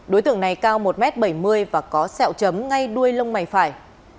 đối tượng này cao một m bảy mươi và có sẹo chấm ngay đuôi lông mày phải